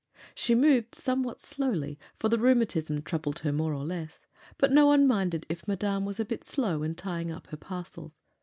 She moved somewhat slowly, for the rheumatism troubled her more or less; but no one minded if Madame was a bit slow in tying up her parcels.